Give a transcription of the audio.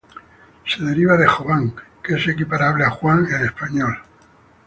Se deriva de Jovan, que es equiparable a "Juan" en español.